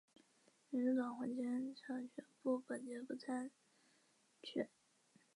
民主党黄坚成宣布本届不参选。